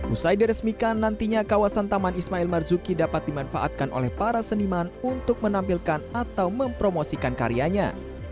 usai diresmikan nantinya kawasan taman ismail marzuki dapat dimanfaatkan oleh para seniman untuk menampilkan atau mempromosikan karyanya